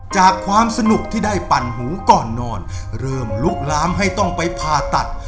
ความสนุกที่ได้ปั่นหูก่อนนอนเริ่มลุกล้ำให้ต้องไปผ่าตัด